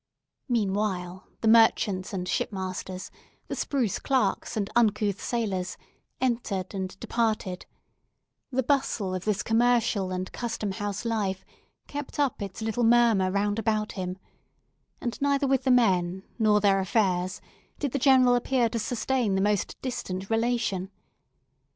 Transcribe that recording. Meanwhile, the merchants and ship masters, the spruce clerks and uncouth sailors, entered and departed; the bustle of his commercial and Custom House life kept up its little murmur round about him; and neither with the men nor their affairs did the General appear to sustain the most distant relation.